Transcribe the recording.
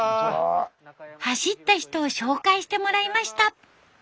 走った人を紹介してもらいました。